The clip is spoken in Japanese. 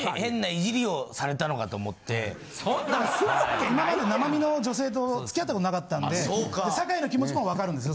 今まで生身の女性と付き合ったことなかったんで坂井の気持ちもわかるんですよ